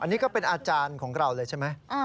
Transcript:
อันนี้ก็เป็นอาจารย์ของเราเลยใช่ไหม